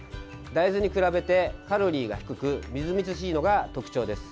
大豆に比べてカロリーが低くみずみずしいのが特徴です。